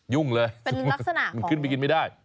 ยุ่งเลยขึ้นไปกินไม่ได้